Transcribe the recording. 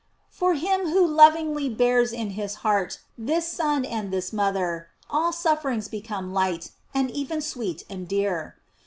For him who lovingly bears in his heart this Son and this mother, all sufferings become light, and even sweet and dear.